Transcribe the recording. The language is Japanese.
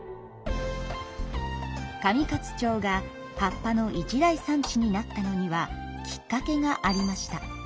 上勝町が葉っぱの一大産地になったのにはきっかけがありました。